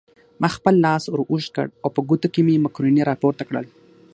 ما خپل لاس ور اوږد کړ او په ګوتو مې مکروني راپورته کړل.